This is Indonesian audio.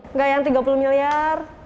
enggak yang tiga puluh miliar